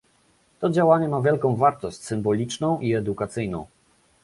To działanie ma wielką wartość symboliczną i edukacyjną